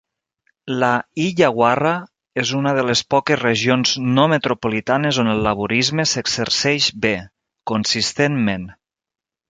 La Illawarra és una de les poques regions no-metropolitanes on el Laborisme s'exerceix bé, consistentment.